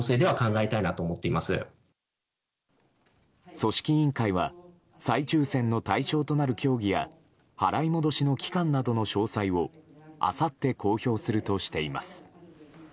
組織委員会は再抽選の対象となる競技や払い戻しの期間などの詳細をあさって公表するとしています。